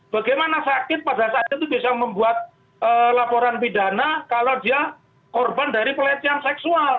bagaimana sakit pada saat itu bisa membuat laporan pidana kalau dia korban dari pelecehan seksual